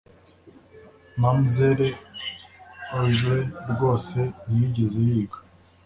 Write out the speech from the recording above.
"mamzelle aurlie rwose ntiyigeze yiga